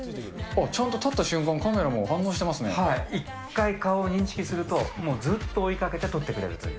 ちゃんと立った瞬間、カメラが反一回顔を認識すると、もうずっと追いかけて撮ってくれるという。